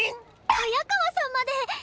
早川さんまで！？